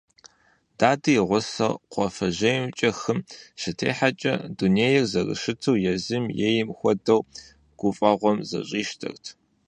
Дадэ и гъусэу кхъуафэжьейкӀэ хым щытехьэкӀэ, дунейр зэрыщыту езым ейм хуэдэу, гуфӀэгъуэм зэщӀищтэрт.